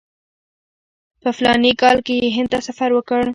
په فلاني کال کې یې هند ته سفر وکړ.